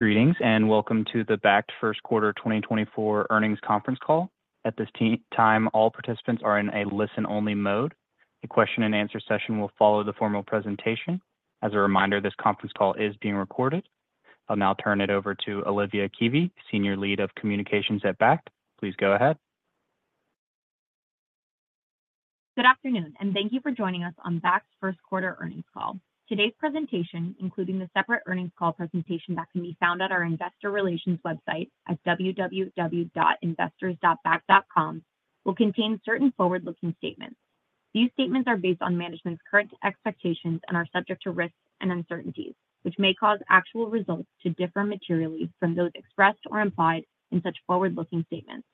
Greetings, and welcome to the Bakkt First Quarter 2024 Earnings Conference Call. At this time, all participants are in a listen-only mode. A question and answer session will follow the formal presentation. As a reminder, this conference call is being recorded. I'll now turn it over to Olivia Keavey, Senior Lead of Communications at Bakkt. Please go ahead. Good afternoon, and thank you for joining us on Bakkt's First Quarter Earnings Call. Today's presentation, including the separate earnings call presentation that can be found at our investor relations website at www.investors.bakkt.com, will contain certain forward-looking statements. These statements are based on management's current expectations and are subject to risks and uncertainties, which may cause actual results to differ materially from those expressed or implied in such forward-looking statements.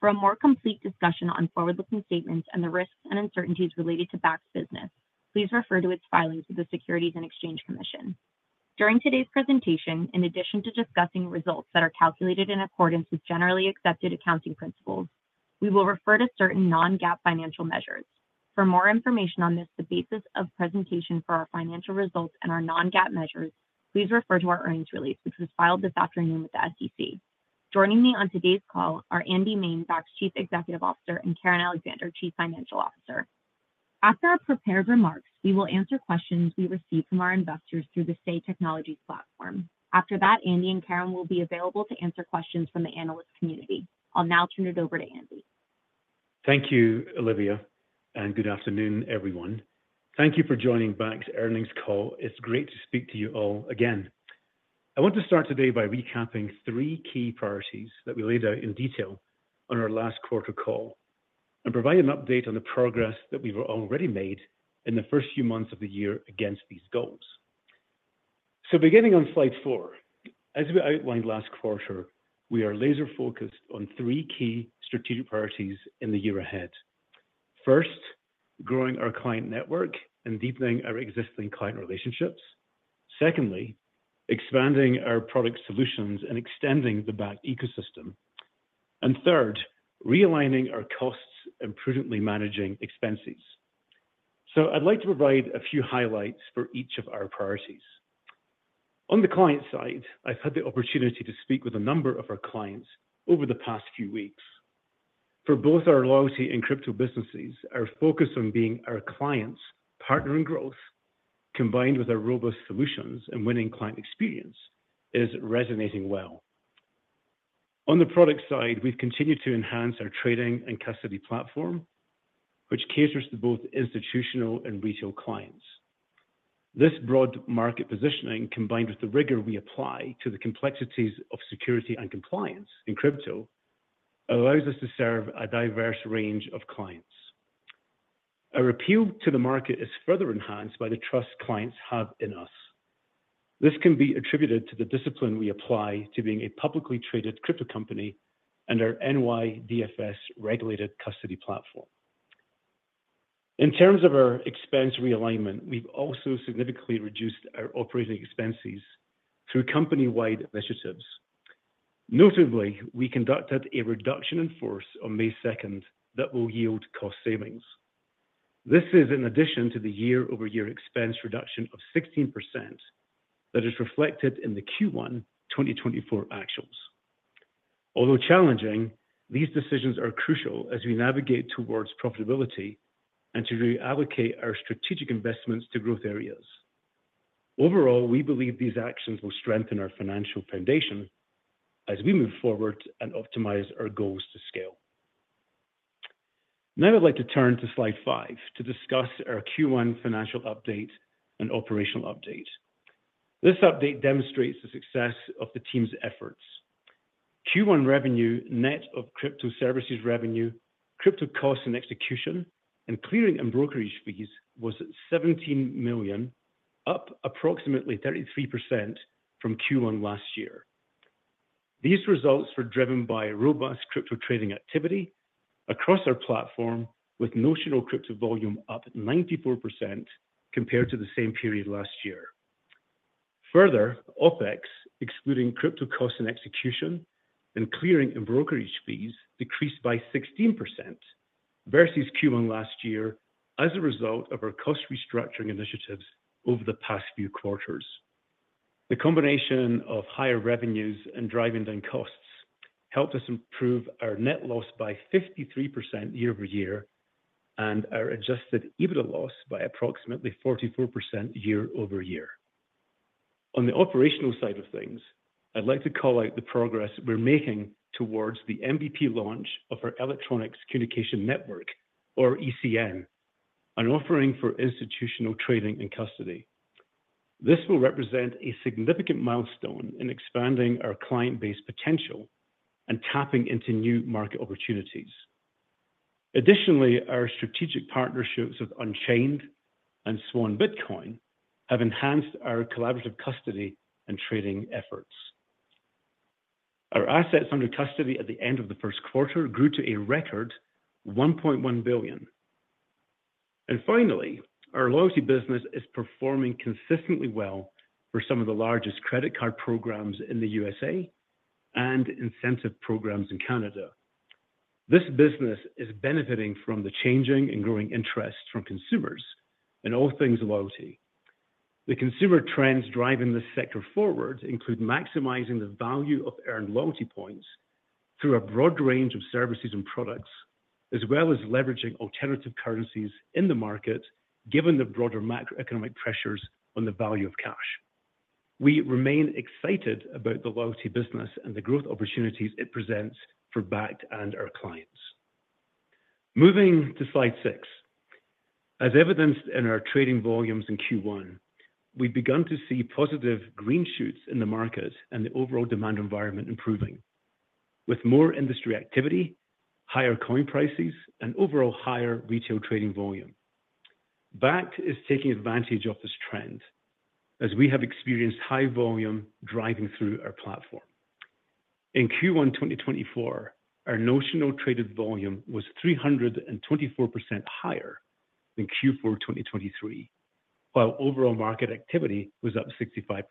For a more complete discussion on forward-looking statements and the risks and uncertainties related to Bakkt's business, please refer to its filings with the Securities and Exchange Commission. During today's presentation, in addition to discussing results that are calculated in accordance with generally accepted accounting principles, we will refer to certain non-GAAP financial measures. For more information on this, the basis of presentation for our financial results and our non-GAAP measures, please refer to our earnings release, which was filed this afternoon with the SEC. Joining me on today's call are Andy Main, Bakkt's Chief Executive Officer, and Karen Alexander, Chief Financial Officer. After our prepared remarks, we will answer questions we received from our investors through the Say Technologies platform. After that, Andy and Karen will be available to answer questions from the analyst community. I'll now turn it over to Andy. Thank you, Olivia, and good afternoon, everyone. Thank you for joining Bakkt's earnings call. It's great to speak to you all again. I want to start today by recapping three key priorities that we laid out in detail on our last quarter call and provide an update on the progress that we've already made in the first few months of the year against these goals. So beginning on slide four, as we outlined last quarter, we are laser-focused on three key strategic priorities in the year ahead. First, growing our client network and deepening our existing client relationships. Secondly, expanding our product solutions and extending the Bakkt ecosystem. And third, realigning our costs and prudently managing expenses. So I'd like to provide a few highlights for each of our priorities. On the client side, I've had the opportunity to speak with a number of our clients over the past few weeks. For both our loyalty and crypto businesses, our focus on being our clients' partner in growth, combined with our robust solutions and winning client experience, is resonating well. On the product side, we've continued to enhance our trading and custody platform, which caters to both institutional and retail clients. This broad market positioning, combined with the rigor we apply to the complexities of security and compliance in crypto, allows us to serve a diverse range of clients. Our appeal to the market is further enhanced by the trust clients have in us. This can be attributed to the discipline we apply to being a publicly traded crypto company and our NYDFS-regulated custody platform. In terms of our expense realignment, we've also significantly reduced our operating expenses through company-wide initiatives. Notably, we conducted a reduction in force on May 2nd that will yield cost savings. This is in addition to the year-over-year expense reduction of 16% that is reflected in the Q1 2024 actuals. Although challenging, these decisions are crucial as we navigate towards profitability and to reallocate our strategic investments to growth areas. Overall, we believe these actions will strengthen our financial foundation as we move forward and optimize our goals to scale. Now I'd like to turn to slide 5 to discuss our Q1 financial update and operational update. This update demonstrates the success of the team's efforts. Q1 revenue, net of crypto services revenue, crypto costs and execution, and clearing and brokerage fees, was $17 million, up approximately 33% from Q1 last year. These results were driven by robust crypto trading activity across our platform, with notional crypto volume up 94% compared to the same period last year. Further, OpEx, excluding crypto costs and execution and clearing and brokerage fees, decreased by 16% versus Q1 last year as a result of our cost restructuring initiatives over the past few quarters. The combination of higher revenues and driving down costs helped us improve our net loss by 53% year-over-year, and our adjusted EBITDA loss by approximately 44% year-over-year. On the operational side of things, I'd like to call out the progress we're making towards the MVP launch of our Electronic Communication Network, or ECN, an offering for institutional trading and custody. This will represent a significant milestone in expanding our client base potential and tapping into new market opportunities. Additionally, our strategic partnerships with Unchained and Swan Bitcoin have enhanced our collaborative custody and trading efforts. Our assets under custody at the end of the first quarter grew to a record $1.1 billion. And finally, our loyalty business is performing consistently well for some of the largest credit card programs in the USA and incentive programs in Canada. This business is benefiting from the changing and growing interest from consumers in all things loyalty. The consumer trends driving this sector forward include maximizing the value of earned loyalty points through a broad range of services and products, as well as leveraging alternative currencies in the market, given the broader macroeconomic pressures on the value of cash. We remain excited about the loyalty business and the growth opportunities it presents for Bakkt and our clients. Moving to slide 6. As evidenced in our trading volumes in Q1, we've begun to see positive green shoots in the market and the overall demand environment improving, with more industry activity, higher coin prices, and overall higher retail trading volume. Bakkt is taking advantage of this trend, as we have experienced high volume driving through our platform. In Q1 2024, our notional traded volume was 324% higher than Q4 2023, while overall market activity was up 65%.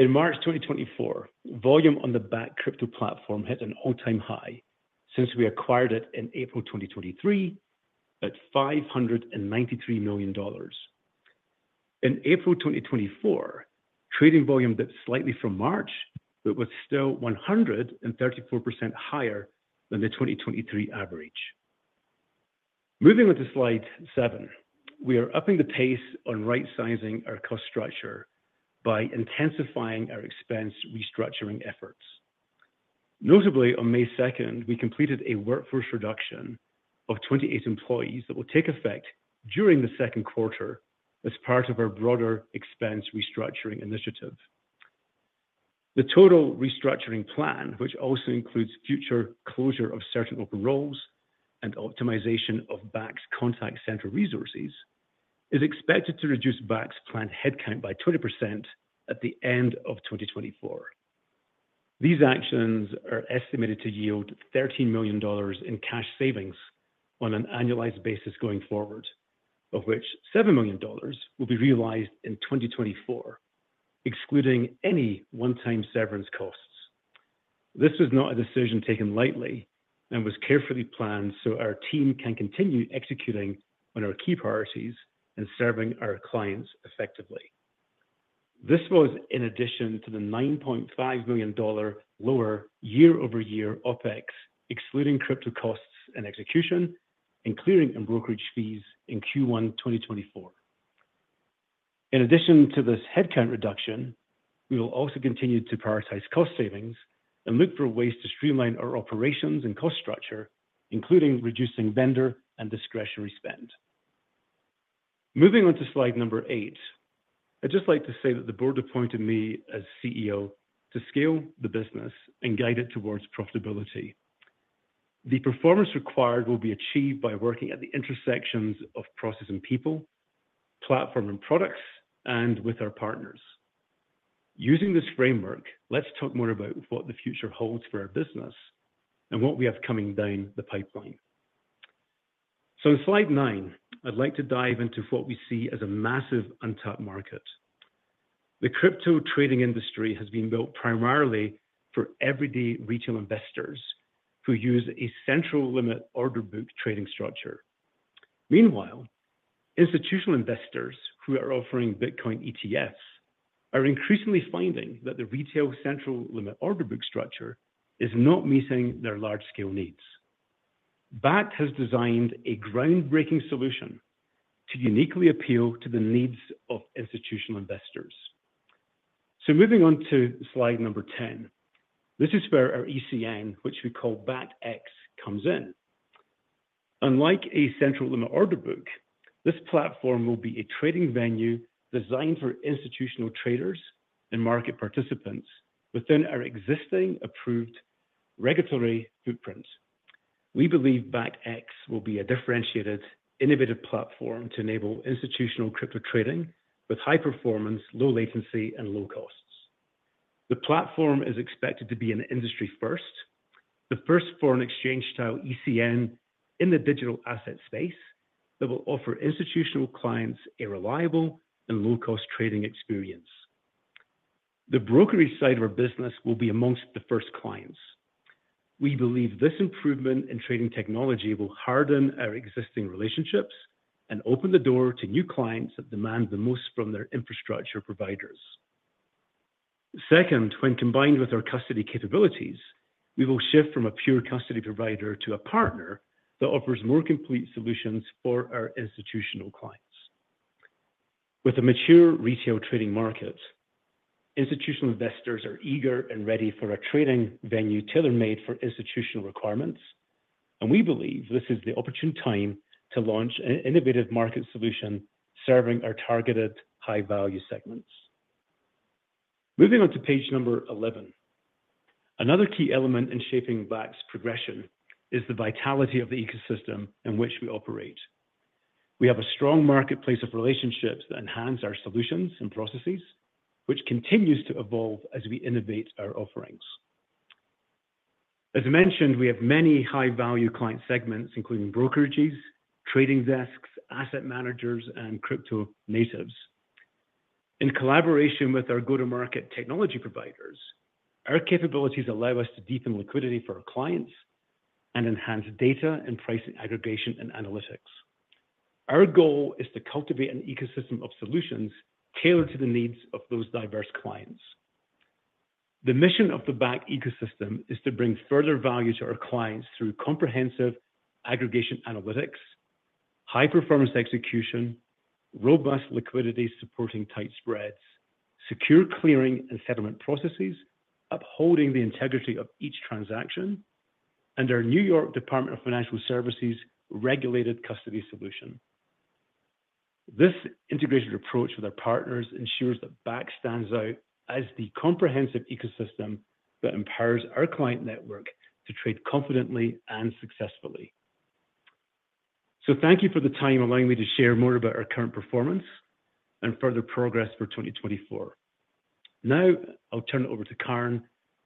In March 2024, volume on the Bakkt Crypto platform hit an all-time high since we acquired it in April 2023, at $593 million. In April 2024, trading volume dipped slightly from March, but was still 134% higher than the 2023 average. Moving on to slide 7. We are upping the pace on right-sizing our cost structure by intensifying our expense restructuring efforts. Notably, on May second, we completed a workforce reduction of 28 employees that will take effect during the second quarter as part of our broader expense restructuring initiative. The total restructuring plan, which also includes future closure of certain open roles and optimization of Bakkt's contact center resources, is expected to reduce Bakkt's planned headcount by 20% at the end of 2024. These actions are estimated to yield $13 million in cash savings on an annualized basis going forward, of which $7 million will be realized in 2024, excluding any one-time severance costs. This was not a decision taken lightly and was carefully planned so our team can continue executing on our key priorities and serving our clients effectively. This was in addition to the $9.5 million lower year-over-year OpEx, excluding crypto costs and execution, and clearing and brokerage fees in Q1 2024. In addition to this headcount reduction, we will also continue to prioritize cost savings and look for ways to streamline our operations and cost structure, including reducing vendor and discretionary spend. Moving on to slide 8. I'd just like to say that the board appointed me as CEO to scale the business and guide it toward profitability. The performance required will be achieved by working at the intersections of process and people, platform and products, and with our partners. Using this framework, let's talk more about what the future holds for our business and what we have coming down the pipeline. So in slide 9, I'd like to dive into what we see as a massive untapped market. The crypto trading industry has been built primarily for everyday retail investors who use a central limit order book trading structure. Meanwhile, institutional investors who are offering Bitcoin ETFs are increasingly finding that the retail central limit order book structure is not meeting their large-scale needs. Bakkt has designed a groundbreaking solution to uniquely appeal to the needs of institutional investors. So moving on to slide number 10. This is where our ECN, which we call BakktX, comes in. Unlike a central limit order book, this platform will be a trading venue designed for institutional traders and market participants within our existing approved regulatory footprint. We believe BakktX will be a differentiated, innovative platform to enable institutional crypto trading with high performance, low latency, and low costs. The platform is expected to be an industry first, the first foreign exchange-style ECN in the digital asset space, that will offer institutional clients a reliable and low-cost trading experience. The brokerage side of our business will be amongst the first clients. We believe this improvement in trading technology will harden our existing relationships and open the door to new clients that demand the most from their infrastructure providers. Second, when combined with our custody capabilities, we will shift from a pure custody provider to a partner that offers more complete solutions for our institutional clients. With a mature retail trading market, institutional investors are eager and ready for a trading venue tailor-made for institutional requirements, and we believe this is the opportune time to launch an innovative market solution serving our targeted high-value segments. Moving on to page number 11. Another key element in shaping Bakkt's progression is the vitality of the ecosystem in which we operate. We have a strong marketplace of relationships that enhance our solutions and processes, which continues to evolve as we innovate our offerings. As mentioned, we have many high-value client segments, including brokerages, trading desks, asset managers, and crypto natives.... In collaboration with our go-to-market technology providers, our capabilities allow us to deepen liquidity for our clients and enhance data and pricing, aggregation, and analytics. Our goal is to cultivate an ecosystem of solutions tailored to the needs of those diverse clients. The mission of the Bakkt ecosystem is to bring further value to our clients through comprehensive aggregation analytics, high-performance execution, robust liquidity, supporting tight spreads, secure clearing and settlement processes, upholding the integrity of each transaction, and our New York Department of Financial Services regulated custody solution. This integrated approach with our partners ensures that Bakkt stands out as the comprehensive ecosystem that empowers our client network to trade confidently and successfully. So thank you for the time allowing me to share more about our current performance and further progress for 2024. Now, I'll turn it over to Karen,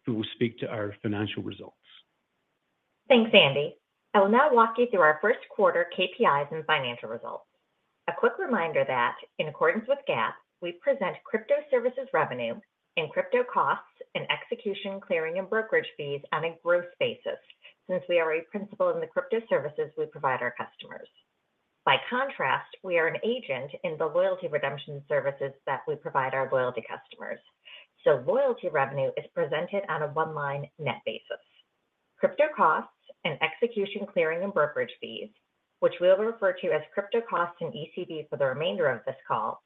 who will speak to our financial results. Thanks, Andy. I will now walk you through our first quarter KPIs and financial results. A quick reminder that in accordance with GAAP, we present crypto services revenue, and crypto costs, and execution, clearing, and brokerage fees on a gross basis, since we are a principal in the crypto services we provide our customers. By contrast, we are an agent in the loyalty redemption services that we provide our loyalty customers. So loyalty revenue is presented on a one-line net basis. Crypto costs and execution, clearing, and brokerage fees, which we'll refer to as crypto costs and ECB for the remainder of this call,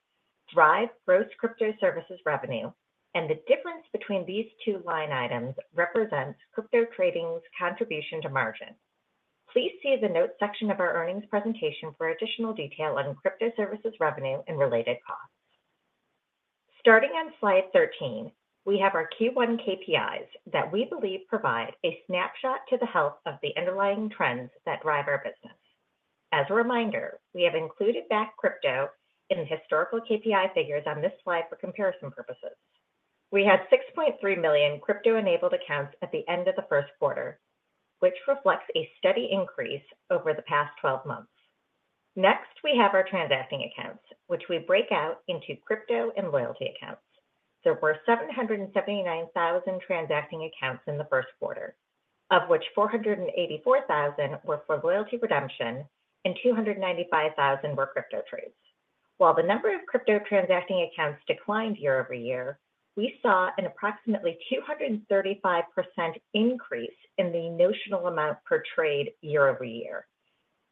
drive gross crypto services revenue, and the difference between these two line items represents crypto trading's contribution to margin. Please see the notes section of our earnings presentation for additional detail on crypto services revenue and related costs. Starting on slide 13, we have our Q1 KPIs that we believe provide a snapshot to the health of the underlying trends that drive our business. As a reminder, we have included Bakkt Crypto in the historical KPI figures on this slide for comparison purposes. We had 6.3 million crypto-enabled accounts at the end of the first quarter, which reflects a steady increase over the past 12 months. Next, we have our transacting accounts, which we break out into crypto and loyalty accounts. There were 779,000 transacting accounts in the first quarter, of which 484,000 were for loyalty redemption and 295,000 were crypto trades. While the number of crypto transacting accounts declined year-over-year, we saw an approximately 235% increase in the notional amount per trade year-over-year.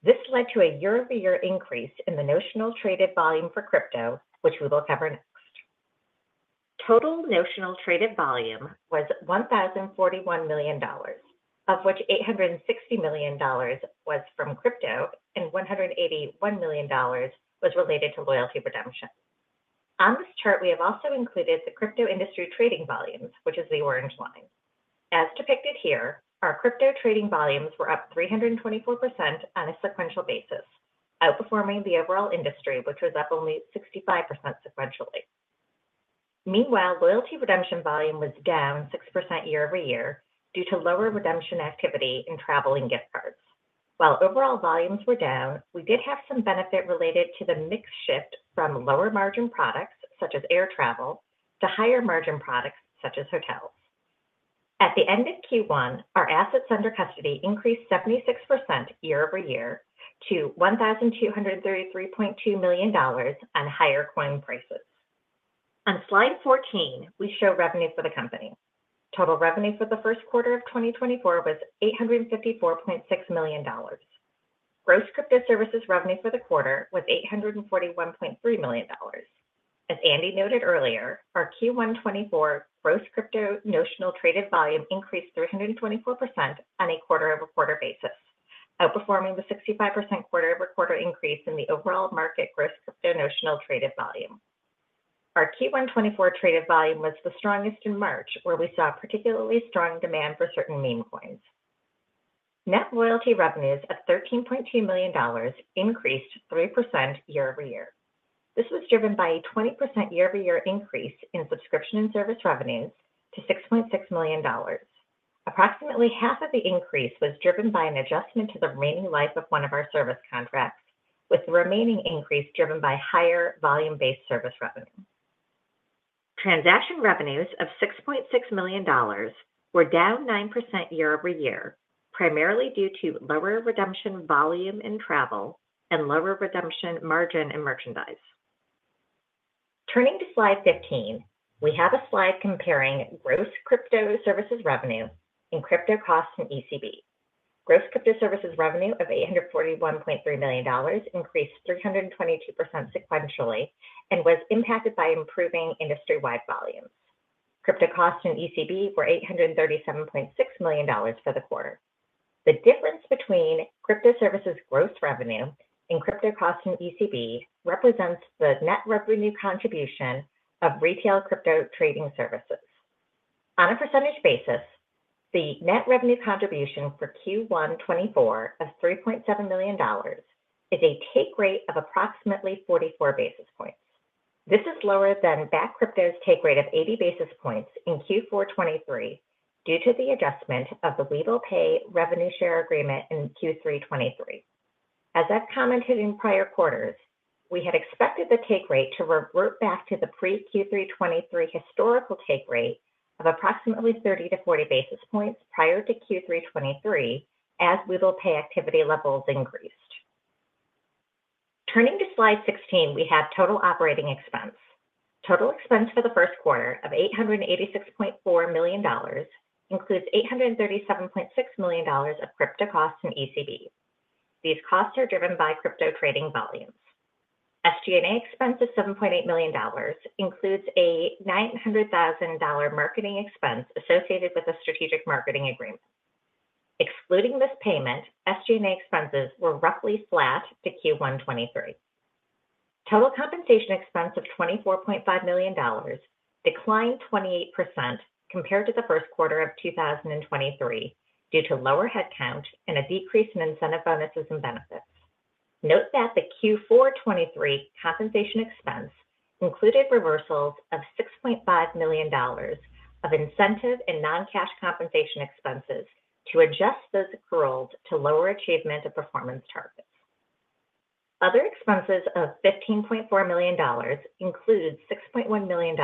This led to a year-over-year increase in the notional traded volume for crypto, which we will cover next. Total notional traded volume was $1,041 million, of which $860 million was from crypto and $181 million was related to loyalty redemption. On this chart, we have also included the crypto industry trading volumes, which is the orange line. As depicted here, our crypto trading volumes were up 324% on a sequential basis, outperforming the overall industry, which was up only 65% sequentially. Meanwhile, loyalty redemption volume was down 6% year over year due to lower redemption activity in travel and gift cards. While overall volumes were down, we did have some benefit related to the mix shift from lower-margin products, such as air travel, to higher-margin products, such as hotels. At the end of Q1, our assets under custody increased 76% year-over-year to $1,233.2 million on higher coin prices. On slide 14, we show revenue for the company. Total revenue for the first quarter of 2024 was $854.6 million. Gross crypto services revenue for the quarter was $841.3 million. As Andy noted earlier, our Q1 2024 gross crypto notional traded volume increased 324% on a quarter-over-quarter basis, outperforming the 65% quarter-over-quarter increase in the overall market gross crypto notional traded volume. Our Q1 2024 traded volume was the strongest in March, where we saw particularly strong demand for certain meme coins. Net loyalty revenues of $13.2 million increased 3% year-over-year. This was driven by a 20% year-over-year increase in subscription and service revenues to $6.6 million. Approximately half of the increase was driven by an adjustment to the remaining life of one of our service contracts, with the remaining increase driven by higher volume-based service revenue. Transaction revenues of $6.6 million were down 9% year-over-year, primarily due to lower redemption volume in travel and lower redemption margin in merchandise. Turning to slide 15, we have a slide comparing gross crypto services revenue and crypto costs and ECB. Gross crypto services revenue of $841.3 million increased 322% sequentially, and was impacted by improving industry-wide volumes. Crypto costs and ECB were $837.6 million for the quarter. The difference between crypto services gross revenue and crypto costs and expenses represents the net revenue contribution of retail crypto trading services. On a percentage basis, the net revenue contribution for Q1 2024 of $3.7 million is a take rate of approximately 44 basis points. This is lower than Bakkt Crypto's take rate of 80 basis points in Q4 2023, due to the adjustment of the loyalty pay revenue share agreement in Q3 2023. As I've commented in prior quarters, we had expected the take rate to revert back to the pre Q3 2023 historical take rate of approximately 30-40 basis points prior to Q3 2023 as loyalty activity levels increased. Turning to slide 16, we have total operating expense. Total expense for the first quarter of $886.4 million includes $837.6 million of crypto costs and ECB. These costs are driven by crypto trading volumes. SG&A expense is $7.8 million, includes a $900,000 marketing expense associated with a strategic marketing agreement. Excluding this payment, SG&A expenses were roughly flat to Q1 2023. Total compensation expense of $24.5 million declined 28% compared to the first quarter of 2023 due to lower headcount and a decrease in incentive bonuses and benefits. Note that the Q4 2023 compensation expense included reversals of $6.5 million of incentive and non-cash compensation expenses to adjust those accruals to lower achievement of performance targets. Other expenses of $15.4 million include $6.1 million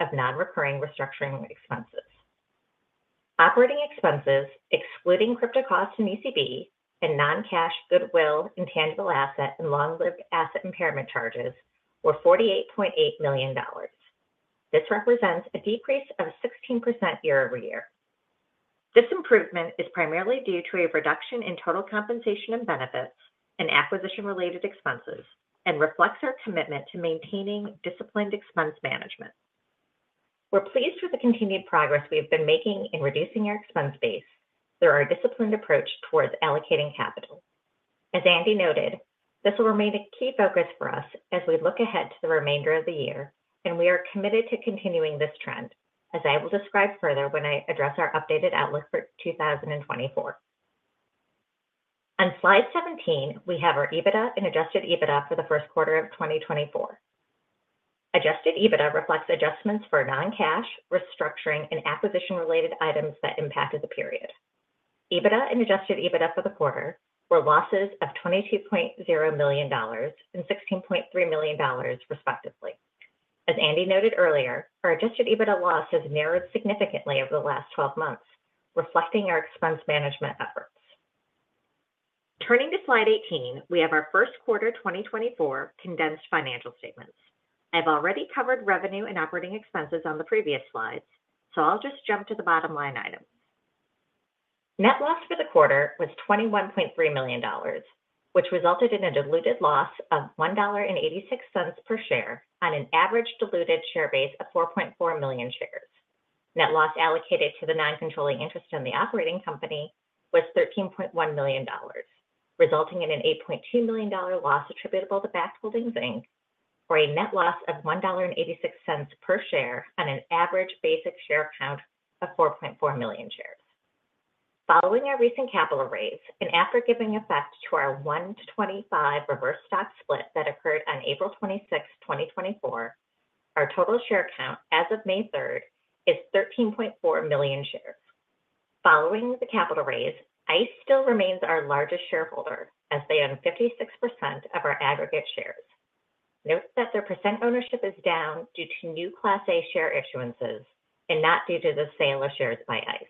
of non-recurring restructuring expenses. Operating expenses, excluding crypto costs and ECB and non-cash, goodwill, intangible asset, and long-lived asset impairment charges, were $48.8 million. This represents a decrease of 16% year-over-year. This improvement is primarily due to a reduction in total compensation and benefits and acquisition-related expenses, and reflects our commitment to maintaining disciplined expense management. We're pleased with the continued progress we have been making in reducing our expense base through our disciplined approach towards allocating capital. As Andy noted, this will remain a key focus for us as we look ahead to the remainder of the year, and we are committed to continuing this trend, as I will describe further when I address our updated outlook for 2024. On slide 17, we have our EBITDA and adjusted EBITDA for the first quarter of 2024. Adjusted EBITDA reflects adjustments for non-cash, restructuring, and acquisition-related items that impacted the period. EBITDA and adjusted EBITDA for the quarter were losses of $22.0 million and $16.3 million, respectively. As Andy noted earlier, our adjusted EBITDA loss has narrowed significantly over the last 12 months, reflecting our expense management efforts. Turning to slide 18, we have our first quarter 2024 condensed financial statements. I've already covered revenue and operating expenses on the previous slides, so I'll just jump to the bottom line item. Net loss for the quarter was $21.3 million, which resulted in a diluted loss of $1.86 per share on an average diluted share base of 4.4 million shares. Net loss allocated to the non-controlling interest in the operating company was $13.1 million, resulting in an $8.2 million loss attributable to Bakkt Holdings, Inc., for a net loss of $1.86 per share on an average basic share count of 4.4 million shares. Following our recent capital raise and after giving effect to our 1-to-25 reverse stock split that occurred on April 26, 2024, our total share count as of May 3 is 13.4 million shares. Following the capital raise, ICE still remains our largest shareholder, as they own 56% of our aggregate shares. Note that their percent ownership is down due to new Class A share issuances and not due to the sale of shares by ICE.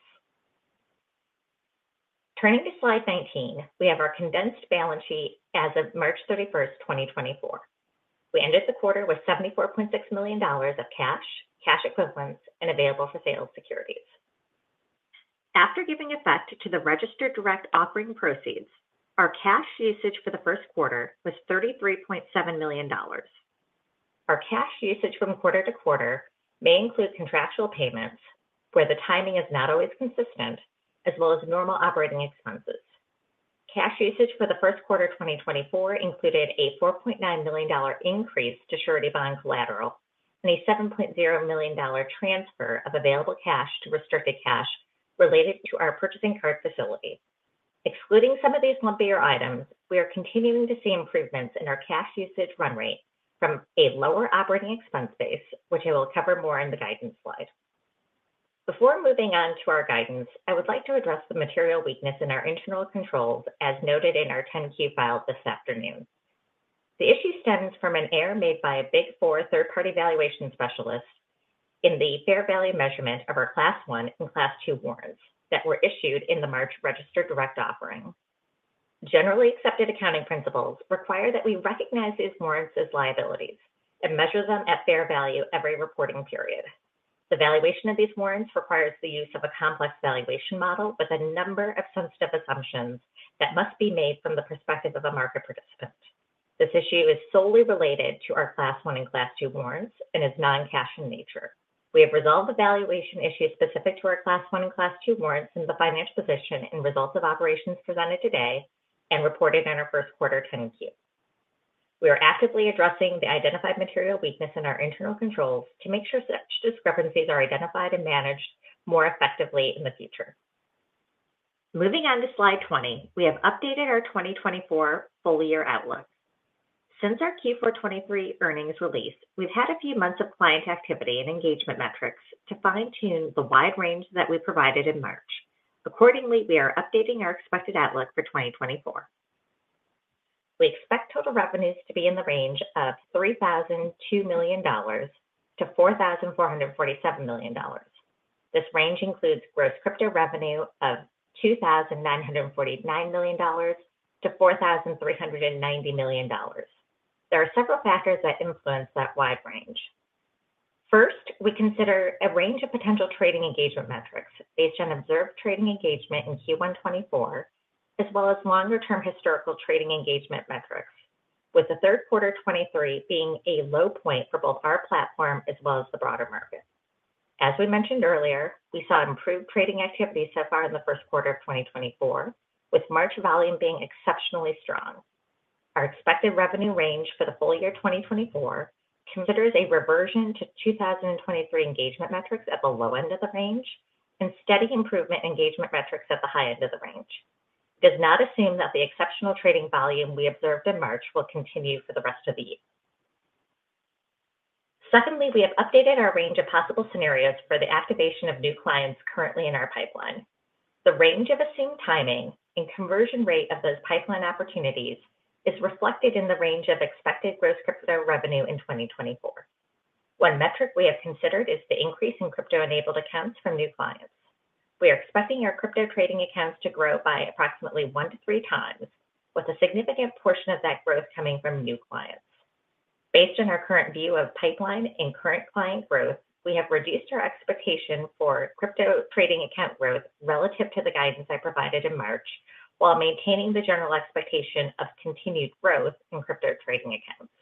Turning to slide 19, we have our condensed balance sheet as of March 31, 2024. We ended the quarter with $74.6 million of cash, cash equivalents, and available for sale securities. After giving effect to the registered direct offering proceeds, our cash usage for the first quarter was $33.7 million. Our cash usage from quarter to quarter may include contractual payments, where the timing is not always consistent, as well as normal operating expenses. Cash usage for the first quarter 2024 included a $4.9 million increase to surety bond collateral and a $7.0 million transfer of available cash to restricted cash related to our purchasing card facility. Excluding some of these lumpier items, we are continuing to see improvements in our cash usage run rate from a lower operating expense base, which I will cover more in the guidance slide. Before moving on to our guidance, I would like to address the material weakness in our internal controls as noted in our 10-Q file this afternoon. The issue stems from an error made by a Big Four third-party valuation specialist in the fair value measurement of our Class 1 and Class 2 warrants that were issued in the March registered direct offering. Generally accepted accounting principles require that we recognize these warrants as liabilities and measure them at fair value every reporting period. The valuation of these warrants requires the use of a complex valuation model with a number of sensitive assumptions that must be made from the perspective of a market participant. This issue is solely related to our Class 1 and Class 2 warrants and is non-cash in nature. We have resolved the valuation issues specific to our Class 1 and Class 2 warrants in the financial position and results of operations presented today and reported in our first quarter 10-Q. We are actively addressing the identified material weakness in our internal controls to make sure such discrepancies are identified and managed more effectively in the future. Moving on to slide 20, we have updated our 2024 full year outlook. Since our Q4 2023 earnings release, we've had a few months of client activity and engagement metrics to fine-tune the wide range that we provided in March. Accordingly, we are updating our expected outlook for 2024. We expect total revenues to be in the range of $3,002 million-$4,447 million. This range includes gross crypto revenue of $2,949 million-$4,390 million. There are several factors that influence that wide range. First, we consider a range of potential trading engagement metrics based on observed trading engagement in Q1 2024, as well as longer-term historical trading engagement metrics, with the third quarter 2023 being a low point for both our platform as well as the broader market. As we mentioned earlier, we saw improved trading activity so far in the first quarter of 2024, with March volume being exceptionally strong. Our expected revenue range for the full year 2024 considers a reversion to 2023 engagement metrics at the low end of the range and steady improvement engagement metrics at the high end of the range. Does not assume that the exceptional trading volume we observed in March will continue for the rest of the year. Secondly, we have updated our range of possible scenarios for the activation of new clients currently in our pipeline. The range of assumed timing and conversion rate of those pipeline opportunities is reflected in the range of expected gross crypto revenue in 2024. One metric we have considered is the increase in crypto-enabled accounts from new clients. We are expecting our crypto trading accounts to grow by approximately 1-3 times, with a significant portion of that growth coming from new clients. Based on our current view of pipeline and current client growth, we have reduced our expectation for crypto trading account growth relative to the guidance I provided in March, while maintaining the general expectation of continued growth in crypto trading accounts.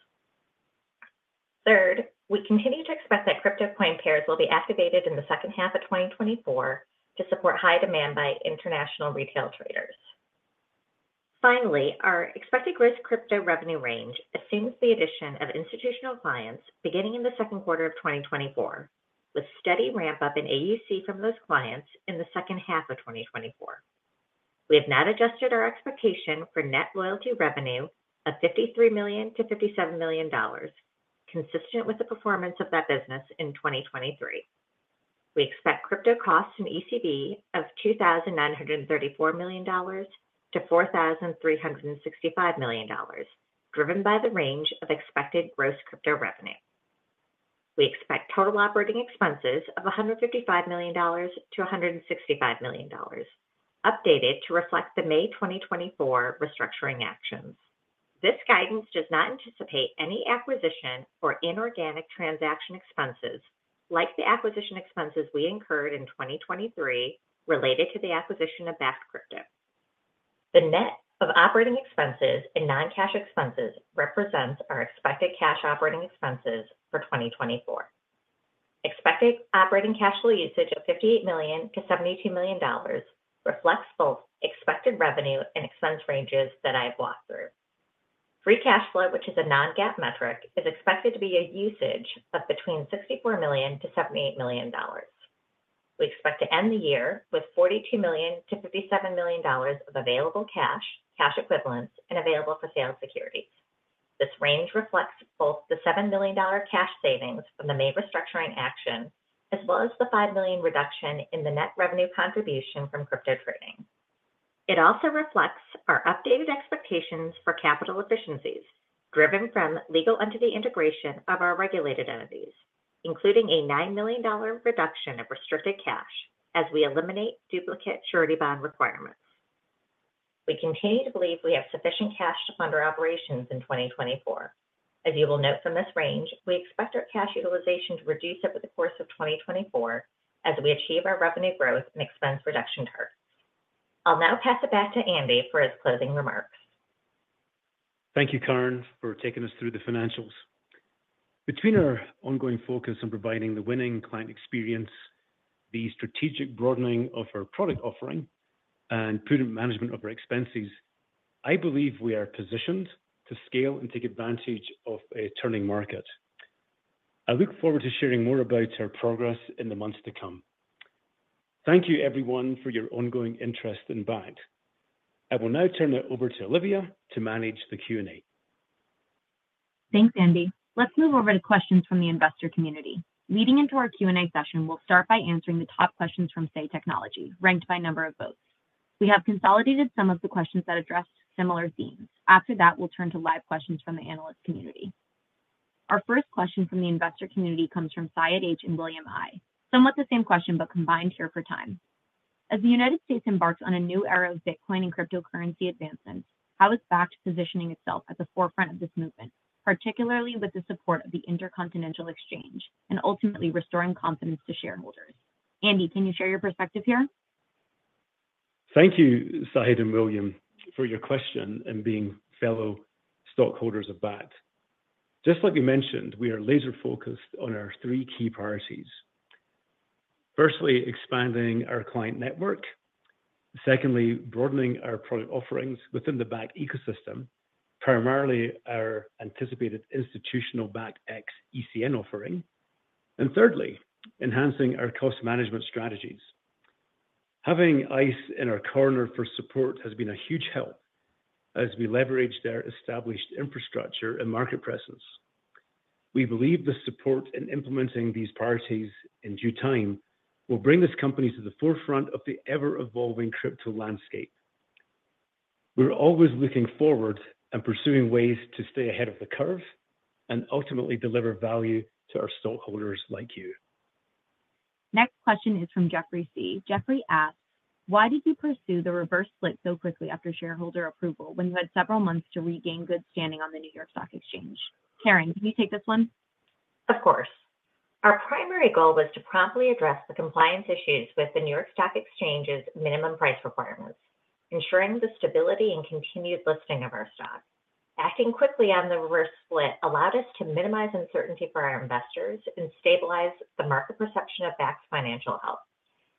Third, we continue to expect that crypto coin pairs will be activated in the second half of 2024 to support high demand by international retail traders. Finally, our expected gross crypto revenue range assumes the addition of institutional clients beginning in the second quarter of 2024, with steady ramp-up in AUC from those clients in the second half of 2024. We have not adjusted our expectation for net loyalty revenue of $53 million-$57 million, consistent with the performance of that business in 2023. We expect crypto costs and ECB of $2,934 million-$4,365 million, driven by the range of expected gross crypto revenue. We expect total operating expenses of $155 million-$165 million, updated to reflect the May 2024 restructuring actions. This guidance does not anticipate any acquisition or inorganic transaction expenses, like the acquisition expenses we incurred in 2023 related to the acquisition of Bakkt Crypto. The net of operating expenses and non-cash expenses represents our expected cash operating expenses for 2024. Expected operating cash flow usage of $58 million-$72 million reflects both expected revenue and expense ranges that I have walked through. Free cash flow, which is a non-GAAP metric, is expected to be a usage of between $64 million-$78 million. We expect to end the year with $42 million-$57 million of available cash, cash equivalents, and available for sale securities. This range reflects both the $7 million cash savings from the May restructuring action, as well as the $5 million reduction in the net revenue contribution from crypto trading. It also reflects our updated expectations for capital efficiencies driven from legal entity integration of our regulated entities, including a $9 million reduction of restricted cash as we eliminate duplicate surety bond requirements. We continue to believe we have sufficient cash to fund our operations in 2024. As you will note from this range, we expect our cash utilization to reduce over the course of 2024 as we achieve our revenue growth and expense reduction targets. I'll now pass it back to Andy for his closing remarks. Thank you, Karen, for taking us through the financials. Between our ongoing focus on providing the winning client experience, the strategic broadening of our product offering, and prudent management of our expenses, I believe we are positioned to scale and take advantage of a turning market. I look forward to sharing more about our progress in the months to come. Thank you, everyone, for your ongoing interest in Bakkt. I will now turn it over to Olivia to manage the Q&A. Thanks, Andy. Let's move over to questions from the investor community. Leading into our Q&A session, we'll start by answering the top questions from Say Technologies, ranked by number of votes. We have consolidated some of the questions that addressed similar themes. After that, we'll turn to live questions from the analyst community. Our first question from the investor community comes from Syed H. and William I. Somewhat the same question, but combined here for time. As the United States embarks on a new era of Bitcoin and cryptocurrency advancement, how is Bakkt positioning itself at the forefront of this movement, particularly with the support of the Intercontinental Exchange, and ultimately restoring confidence to shareholders? Andy, can you share your perspective here? Thank you, Syed and William, for your question and being fellow stockholders of Bakkt. Just like you mentioned, we are laser-focused on our three key priorities. Firstly, expanding our client network. Secondly, broadening our product offerings within the Bakkt ecosystem, primarily our anticipated institutional BakktX ECN offering. And thirdly, enhancing our cost management strategies. Having ICE in our corner for support has been a huge help as we leverage their established infrastructure and market presence. We believe the support in implementing these priorities in due time will bring this company to the forefront of the ever-evolving crypto landscape. We're always looking forward and pursuing ways to stay ahead of the curve and ultimately deliver value to our stockholders like you. Next question is from Jeffrey C. Jeffrey asks: Why did you pursue the reverse split so quickly after shareholder approval, when you had several months to regain good standing on the New York Stock Exchange? Karen, can you take this one? Of course. Our primary goal was to promptly address the compliance issues with the New York Stock Exchange's minimum price requirements, ensuring the stability and continued listing of our stock. Acting quickly on the reverse split allowed us to minimize uncertainty for our investors and stabilize the market perception of Bakkt's financial health,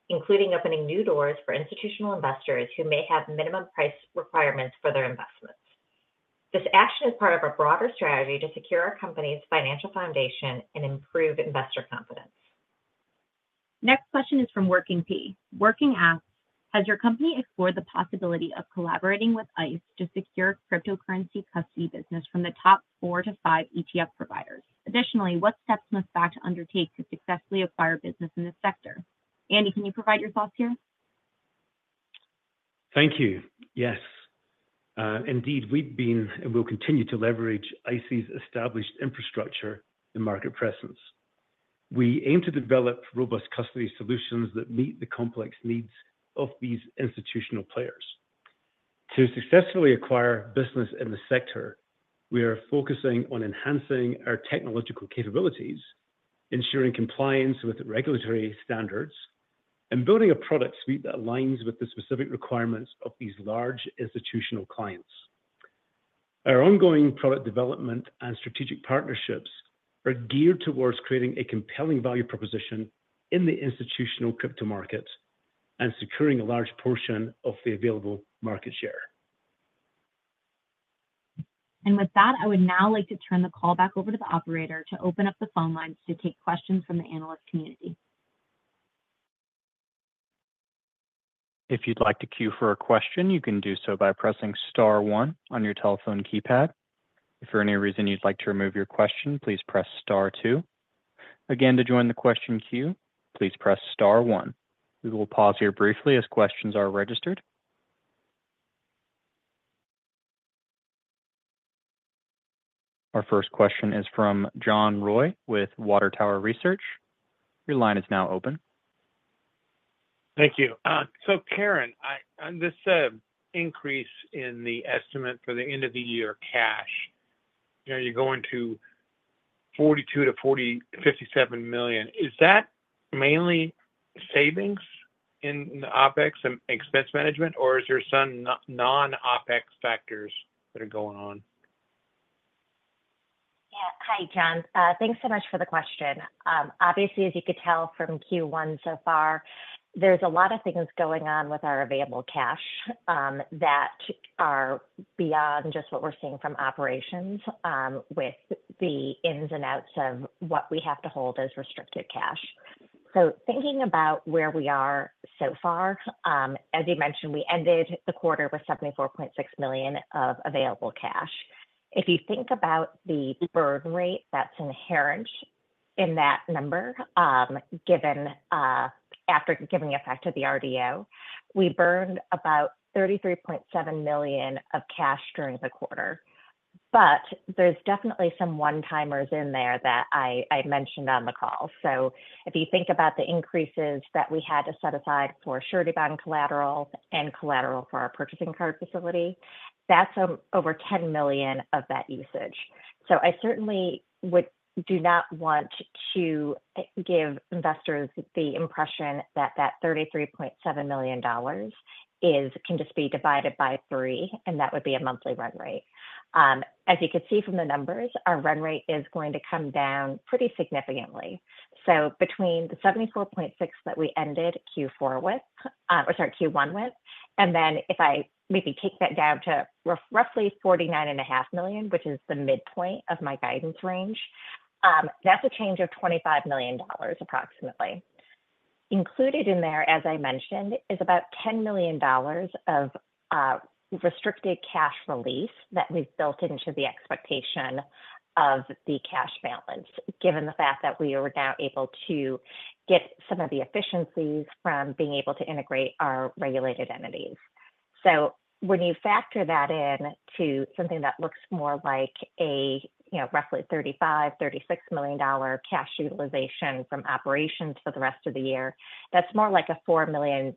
including opening new doors for institutional investors who may have minimum price requirements for their investments. This action is part of our broader strategy to secure our company's financial foundation and improve investor confidence. Next question is from Working P. Working asks: Has your company explored the possibility of collaborating with ICE to secure cryptocurrency custody business from the top 4-5 ETF providers? Additionally, what steps must Bakkt undertake to successfully acquire business in this sector? Andy, can you provide your thoughts here? Thank you. Yes, indeed, we've been and will continue to leverage ICE's established infrastructure and market presence. We aim to develop robust custody solutions that meet the complex needs of these institutional players. To successfully acquire business in the sector, we are focusing on enhancing our technological capabilities, ensuring compliance with regulatory standards, and building a product suite that aligns with the specific requirements of these large institutional clients. Our ongoing product development and strategic partnerships are geared towards creating a compelling value proposition in the institutional crypto market and securing a large portion of the available market share. With that, I would now like to turn the call back over to the operator to open up the phone lines to take questions from the analyst community. If you'd like to queue for a question, you can do so by pressing star one on your telephone keypad. If for any reason you'd like to remove your question, please press star two. Again, to join the question queue, please press star one. We will pause here briefly as questions are registered. Our first question is from John Roy with Water Tower Research. Your line is now open. Thank you. So, Karen, on this increase in the estimate for the end of the year cash, you know, you're going to $42 million-$57 million. Is that mainly savings in the OpEx and expense management, or is there some non-OpEx factors that are going on? Yeah. Hi, John. Thanks so much for the question. Obviously, as you could tell from Q1 so far, there's a lot of things going on with our available cash that are beyond just what we're seeing from operations with the ins and outs of what we have to hold as restricted cash. So thinking about where we are so far, as you mentioned, we ended the quarter with $74.6 million of available cash. If you think about the burn rate that's inherent in that number, given after giving effect to the RDO, we burned about $33.7 million of cash during the quarter. But there's definitely some one-timers in there that I mentioned on the call. So if you think about the increases that we had to set aside for surety bond collateral and collateral for our purchasing card facility, that's over $10 million of that usage. So I certainly would do not want to give investors the impression that that $33.7 million is... can just be divided by 3, and that would be a monthly run rate. As you can see from the numbers, our run rate is going to come down pretty significantly. So between the 74.6 that we ended Q4 with, or sorry, Q1 with, and then if I maybe take that down to roughly 49.5 million, which is the midpoint of my guidance range, that's a change of $25 million approximately. Included in there, as I mentioned, is about $10 million of restricted cash release that we've built into the expectation of the cash balance, given the fact that we are now able to get some of the efficiencies from being able to integrate our regulated entities. So when you factor that in to something that looks more like a, you know, roughly $35-$36 million cash utilization from operations for the rest of the year, that's more like a $4 million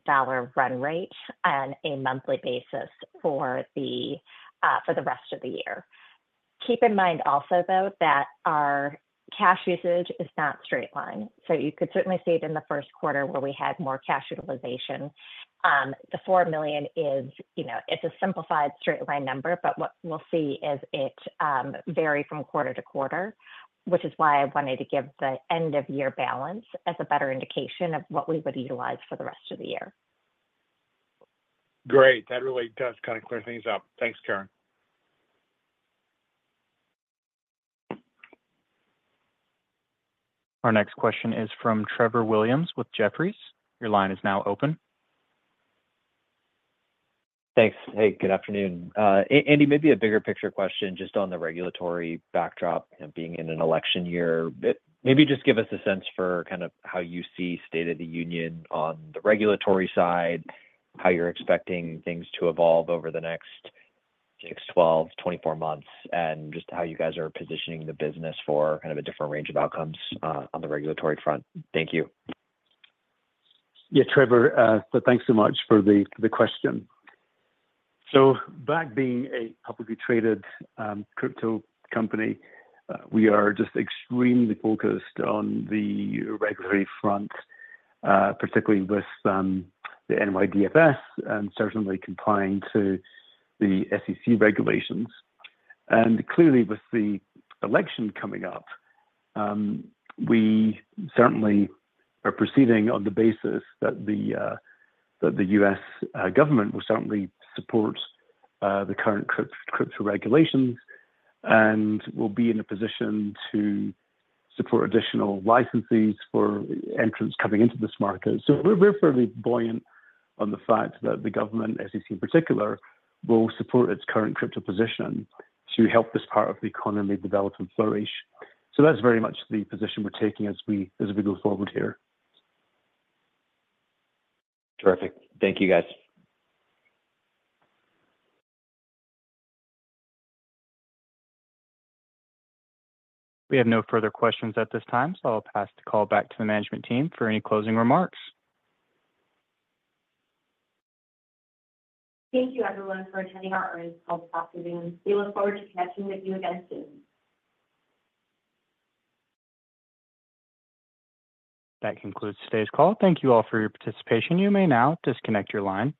run rate on a monthly basis for the, for the rest of the year. Keep in mind also, though, that our cash usage is not straight line. So you could certainly see it in the first quarter where we had more cash utilization. The $4 million is, you know, it's a simplified straight-line number, but what we'll see is it vary from quarter to quarter, which is why I wanted to give the end-of-year balance as a better indication of what we would utilize for the rest of the year. Great. That really does kind of clear things up. Thanks, Karen. Our next question is from Trevor Williams with Jefferies. Your line is now open. Thanks. Hey, good afternoon. Andy, maybe a bigger picture question just on the regulatory backdrop and being in an election year. Maybe just give us a sense for kind of how you see state of the union on the regulatory side, how you're expecting things to evolve over the next 6, 12, 24 months, and just how you guys are positioning the business for kind of a different range of outcomes on the regulatory front. Thank you. Yeah, Trevor, so thanks so much for the, the question. So Bakkt being a publicly traded crypto company, we are just extremely focused on the regulatory front, particularly with the NYDFS and certainly complying to the SEC regulations. And clearly, with the election coming up, we certainly are proceeding on the basis that the U.S. government will certainly support the current crypto regulations and will be in a position to support additional licensees for entrants coming into this market. So we're fairly buoyant on the fact that the government, SEC in particular, will support its current crypto position to help this part of the economy develop and flourish. So that's very much the position we're taking as we go forward here. Terrific. Thank you, guys. We have no further questions at this time, so I'll pass the call back to the management team for any closing remarks. Thank you everyone for attending our earnings call this afternoon. We look forward to connecting with you again soon. That concludes today's call. Thank you all for your participation. You may now disconnect your line.